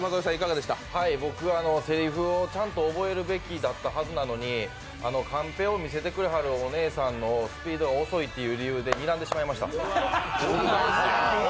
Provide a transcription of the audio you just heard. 僕はせりふをちゃんと覚えるべきだったはずなので、カンペを見せてくだはるお姉さんのスピードが遅いのでにらんでしまいました。